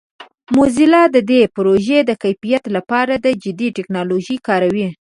موزیلا د دې پروژې د کیفیت لپاره د جدید ټکنالوژیو کاروي.